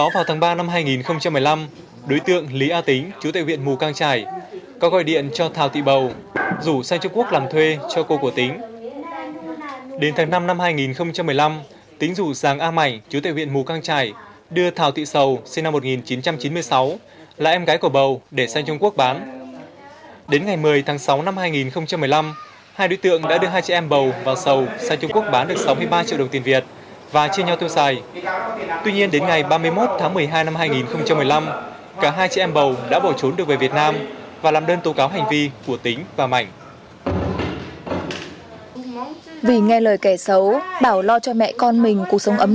vì nghe lời kẻ xấu bảo lo cho mẹ con mình cuộc sống ấm no hay không